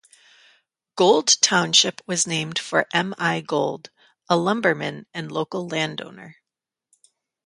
Gould Township was named for M. I. Gould, a lumberman and local landowner.